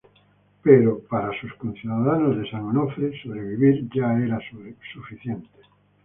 Pero, para sus conciudadanos de San Onofre, sobrevivir ya era suficiente.